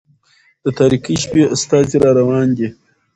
د تاريكي شپې استازى را روان دى